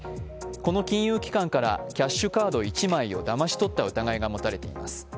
この金融機関からキャッシュカード１枚をだまし取った疑いが持たれています。